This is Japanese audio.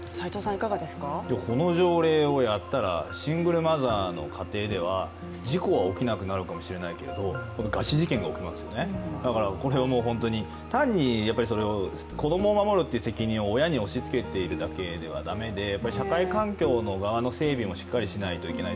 この条例をやったらシングルマザーの家庭では事故は起きなくなるかもしれないけど餓死事件が起きますよね、単に子供を守るという責任を親に押しつけているだけでは駄目で社会環境の側の整備をしっかりしないといけない